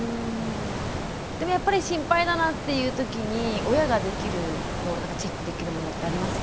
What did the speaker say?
でもやっぱり心配だなっていうときに親ができる何かチェックできるものってありますか？